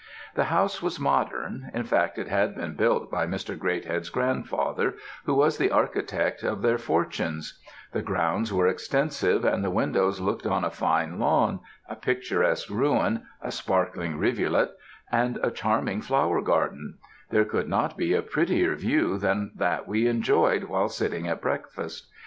"The house was modern, in fact it had been built by Mr. Greathead's grandfather, who was the architect of their fortunes; the grounds were extensive, and the windows looked on a fine lawn, a picturesque ruin, a sparkling rivulet, and a charming flower garden; there could not be a prettier view than that we enjoyed while sitting at breakfast.